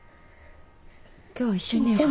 今日一緒に寝ようか。